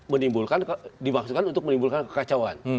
menimbulkan dimaksudkan untuk menimbulkan kekacauan